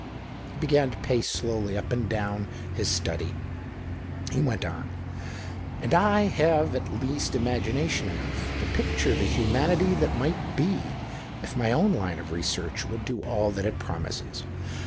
He began to pace slowly up and down his study. He went on —" And I have at least imagination enough to picture the humanity that might be, if my own line of research would do all that it promises.